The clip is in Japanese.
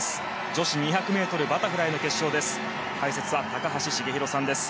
女子２００ｍバタフライの決勝です。